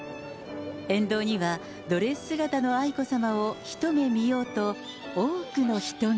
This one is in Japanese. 沿道にはドレス姿の愛子さまを一目見ようと、多くの人が。